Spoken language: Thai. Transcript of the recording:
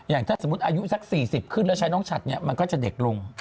อย่างถ้าสมมุติอายุสัก๔๐ขึ้นแล้วใช้น้องฉัดเนี่ยมันก็จะเด็กลง